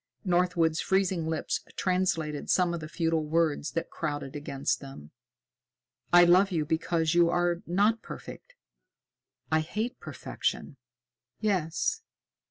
Northwood's freezing lips translated some of the futile words that crowded against them. "I love you because you are not perfect. I hate perfection!" "Yes.